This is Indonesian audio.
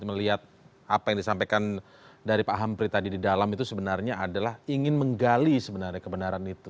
melihat apa yang disampaikan dari pak ampri tadi di dalam itu sebenarnya adalah ingin menggali sebenarnya kebenaran itu